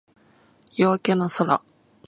夜明けの空